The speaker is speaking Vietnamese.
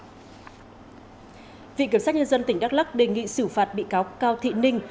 thưa quý vị vào chiều ngày hôm nay toán nhân dân tỉnh đắk lắc đề nghị xử phạt bị cáo cao thị ninh